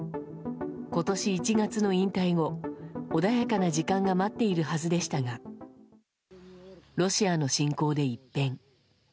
今年１月の引退後穏やかな時間が待っているはずでしたがロシアの侵攻で一変。